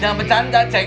jangan bercanda cenk